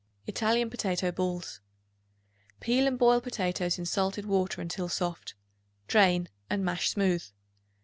Italian Potato Balls. Peel and boil potatoes in salted water until soft; drain, and mash smooth.